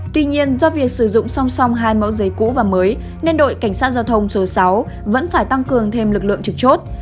tuy nhiên do việc sử dụng song song hai mẫu giấy cũ và mới nên đội cảnh sát giao thông số sáu vẫn phải tăng cường thêm lực lượng trực chốt